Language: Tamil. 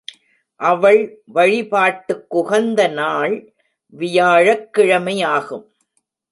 அவள் வழிபாட்டுக்குகந்த நாள் வியாழக்கிழமையாகும்.